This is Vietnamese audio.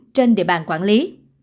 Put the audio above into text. trên địa bàn quản lý